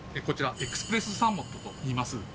こちら、エクスプレスサーモットといいます。